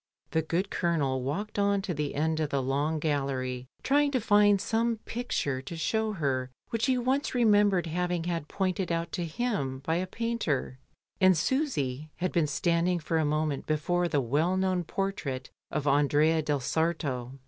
The good Colonel walked on to the end of the long gallery trying to find some picture to show her which he once remembered having had pointed out to him by a painter, and Susy had been standing for a moment before the well known portrait of "Andrea del Sarto."